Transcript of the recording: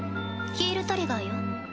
ヒールトリガーよ。